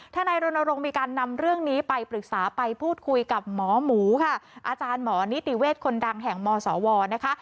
นายรณรงค์มีการนำเรื่องนี้ไปปรึกษาไปพูดคุยกับหมอหมูค่ะอาจารย์หมอนิติเวศคนดังแห่งมศวนะคะ